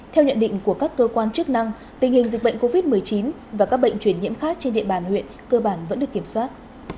theo nhận định của các cơ quan chức năng tình hình dịch bệnh covid một mươi chín và các bệnh chuyển nhiễm khác trên địa bàn huyện cơ bản vẫn được kiểm soát